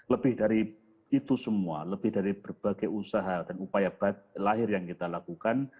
lebih dari itu semua lebih dari berbagai usaha dan upaya lahir yang kita lakukan